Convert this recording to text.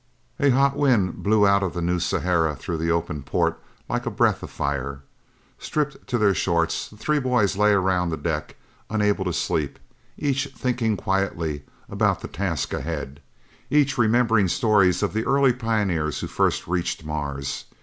A hot wind blew out of the New Sahara through the open port like a breath of fire. Stripped to their shorts, the three boys lay around the deck unable to sleep, each thinking quietly about the task ahead, each remembering stories of the early pioneers who first reached Mars.